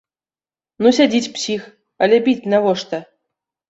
Ну сядзіць псіх, але біць навошта?